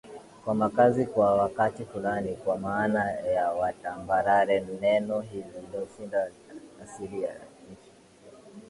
kwa makazi kwa wakati fulani kwa maana ya tambarare Neno hilindo asili ya nchi